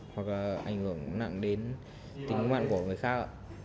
hoặc là ảnh hưởng nặng đến tính mạng của người khác ạ